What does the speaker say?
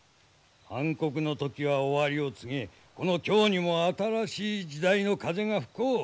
暗黒の時は終わりを告げこの京にも新しい時代の風が吹こう。